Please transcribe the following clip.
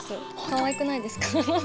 かわいくないですか？